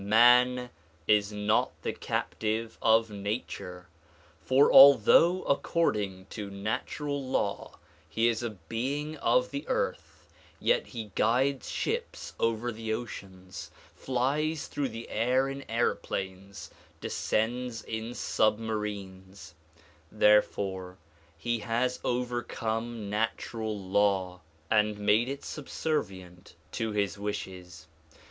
Man is not the captive of nature, for although according to natural law he is a being of the earth, yet he guides ships over the ocean, flies through the air in aeroplanes, descends in submarines; — therefore he has overcome natural law and made DISCOURSES DELIVERED IN NEW YORK 15 it subservient to his wishes.